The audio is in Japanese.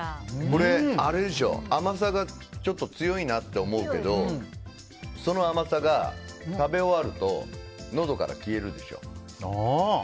これ、甘さがちょっと強いなって思うけどその甘さが食べ終わるとのどから消えるでしょ。